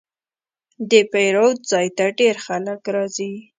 د پیرود ځای ته ډېر خلک راځي.